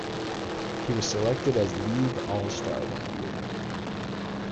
He was selected as a league All Star that year.